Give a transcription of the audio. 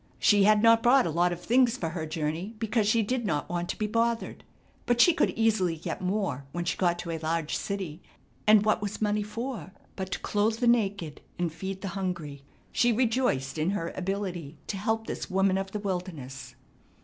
She had not brought a lot of things for her journey because she did not want to be bothered, but she could easily get more when she got to a large city, and what was money for but to cloth the naked and feed the hungry? She rejoiced in her ability to help this woman of the wilderness.